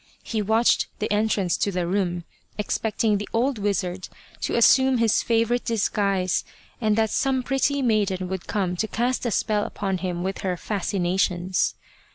He watched the entrance to the room, expecting the old wizard to assume his favourite dis guise, and that some pretty maiden would come to cast a spell upon him with her fascinations.